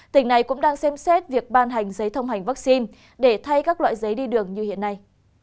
tỉnh này cũng đang xem xét việc ban hành giấy thông hành vaccine để thay các loại giấy đi đường như hiện nay